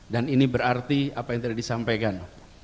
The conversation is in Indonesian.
dan ini berarti apa yang tadi disampaikan